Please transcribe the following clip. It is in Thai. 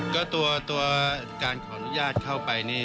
ก็ตัวการขออนุญาตเข้าไปนี่